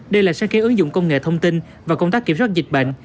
đây là sáng kiến ứng dụng công nghệ thông tin và công tác kiểm soát dịch bệnh